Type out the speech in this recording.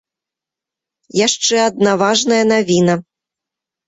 Яшчэ адна важная навіна.